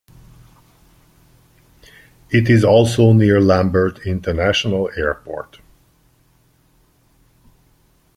It is also near Lambert International Airport.